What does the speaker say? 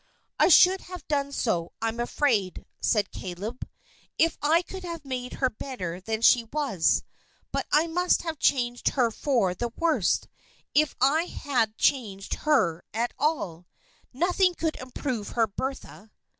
"I should have done so, I'm afraid," said Caleb, "if I could have made her better than she was. But I must have changed her for the worse, if I had changed her at all. Nothing could improve her, Bertha."